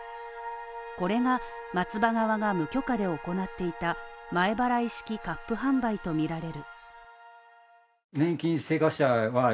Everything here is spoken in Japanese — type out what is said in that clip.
これが松葉側が無許可で行っていた前払式割賦販売とみられる。